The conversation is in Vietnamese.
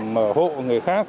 mở hộ người khác